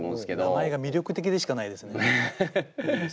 名前が魅力的でしかないですね。